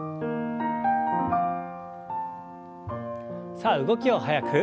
さあ動きを速く。